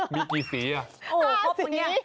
มีกี่สีผมอยากบอกว่าครบแม่